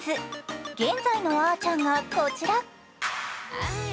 現在のあーちゃんがこちら。